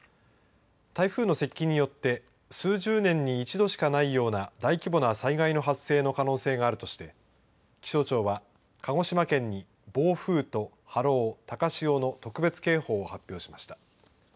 台風の接近によって数十年に一度しかないような大規模な災害の発生の可能性があるとして気象庁は、鹿児島県に暴風と波浪高潮の特別警報を発表しました。